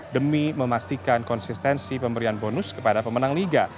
demi memastikan konsistensi pemberian bonus kepada pemenang liga